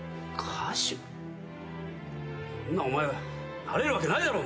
お前なれるわけないだろ！？